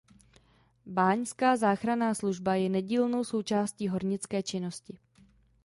Báňská záchranná služba je nedílnou součástí hornické činnosti.